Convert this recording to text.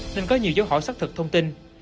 nên có nhiều dấu hỏi xác thực thông tin